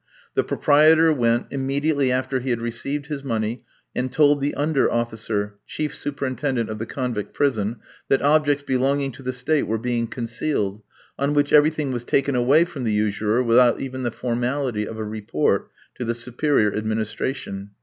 The proprietor went, immediately after he had received his money, and told the under officer chief superintendent of the convict prison that objects belonging to the State were being concealed, on which everything was taken away from the usurer without even the formality of a report to the superior administration.